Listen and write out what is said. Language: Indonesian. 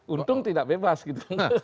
untung tidak bebas gitu